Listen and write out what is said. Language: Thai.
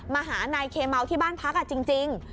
มาหานายเคเมาที่บ้านพักจริง